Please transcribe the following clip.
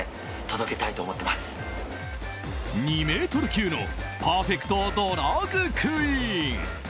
２ｍ級のパーフェクトドラァグクイーン！